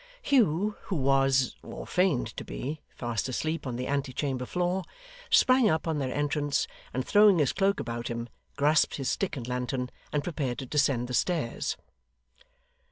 Hugh, who was, or feigned to be, fast asleep on the ante chamber floor, sprang up on their entrance, and throwing his cloak about him, grasped his stick and lantern, and prepared to descend the stairs.